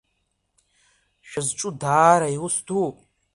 Шәызҿу даара иус дууп.